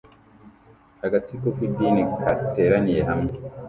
Agatsiko k'idini kateraniye hamwe